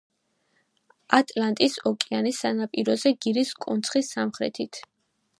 ატლანტის ოკეანის სანაპიროზე, გირის კონცხის სამხრეთით.